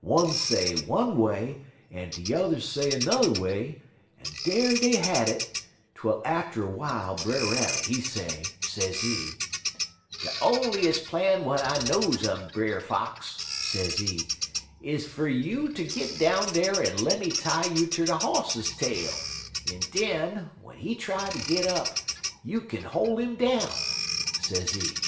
One say one way en de yuther say n'er way, en dar dey had it, twel atter w'ile Brer Rabbit, he say, sezee: "'De onliest plan w'at I knows un, Brer Fox,' sezee, 'is fer you ter git down dar en lemme tie you ter de Hoss tail, en den, w'en he try ter git up, you kin hol' 'im down,' sezee.